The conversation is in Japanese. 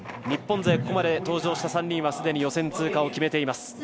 日本勢、ここまで登場した３人はすでに予選通過を決めています。